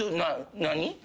何？